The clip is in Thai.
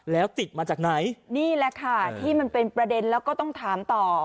แล้วติดมาจากไหนนี่แหละค่ะที่มันเป็นประเด็นแล้วก็ต้องถามต่อ